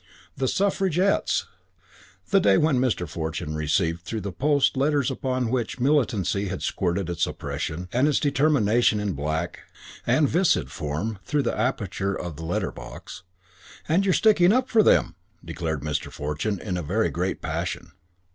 The Suffragettes! The day when Mr. Fortune received through the post letters upon which militancy had squirted its oppression and its determination in black and viscid form through the aperture of the letter box. "And you're sticking up for them!" declared Mr. Fortune in a very great passion.